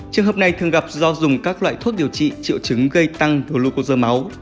trường hợp này thường gặp do dùng các loại thuốc điều trị triệu chứng gây tăng hollcos máu